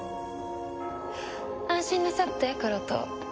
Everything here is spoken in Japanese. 安心なさってクロトー。